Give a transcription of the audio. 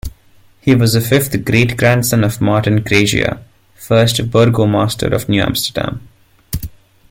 He was a fifth great-grandson of Martin Cregier, first Burgomaster of New Amsterdam.